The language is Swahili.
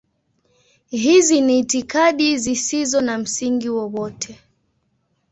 Hizi ni itikadi zisizo na msingi wowote.